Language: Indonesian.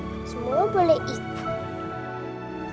tapi semua boleh ikut